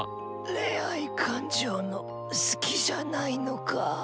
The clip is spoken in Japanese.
恋愛感情の好きじゃないのか。